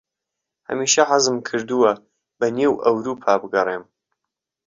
هەمیشە حەزم کردووە بەنێو ئەورووپا بگەڕێم.